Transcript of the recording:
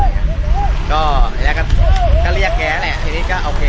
วันนี้เราจะมาจอดรถที่แรงละเห็นเป็น